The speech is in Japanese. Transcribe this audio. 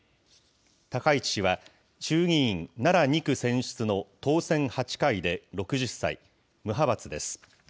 高市氏は、衆議院奈良２区選出の当選８回で６０歳、無派閥です。